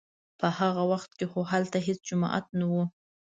په هغه وخت خو هلته هېڅ جومات نه و.